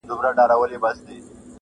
ټولو وویل چي ته الوتای نه سې.!